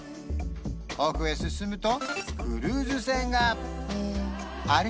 奥へ進むとクルーズ船があれ？